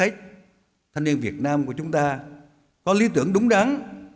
hiệp hội thanh niên việt nam của chúng ta có lý tưởng đúng đắn